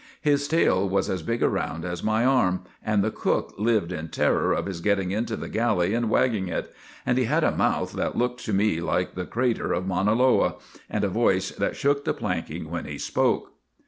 His tail was as big around as my arm, and the cook lived in terror of his getting into the galley and wagging it ; and he had a mouth that looked to me like the crater of Mauna Loa, and a voice that shook the planking when he spoke.